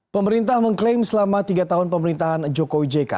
pemerintah mengklaim selama tiga tahun pemerintahan jokowi jk